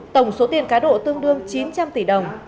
tổng số tiền cá độ tương đương chín trăm linh tỷ đồng